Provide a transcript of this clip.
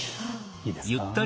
いいですか？